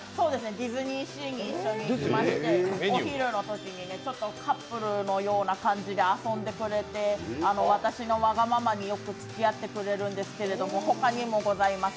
ディズニーシーに一緒に行きまして、お昼のときにね、ちょっとカップルのような感じで遊んでくれて私のわがままによくつきあってくれるんですけれどもほかにもございます。